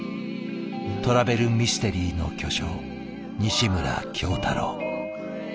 トラベルミステリーの巨匠西村京太郎。